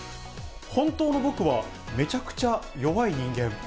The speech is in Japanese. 本当の僕は、めちゃくちゃ弱い人間。